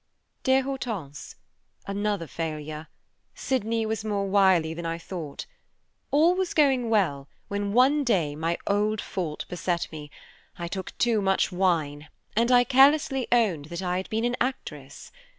"Dear Hortense: "Another failure. Sydney was more wily than I thought. All was going well, when one day my old fault beset me, I took too much wine, and I carelessly owned that I had been an actress.